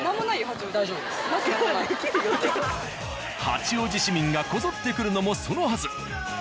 八王子市民がこぞって来るのもそのはず。